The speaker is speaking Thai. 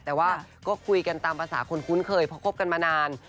แต่ว่าก็คุยกันตามภาษาคนคุ้นเคยเพราะคบกันมานาน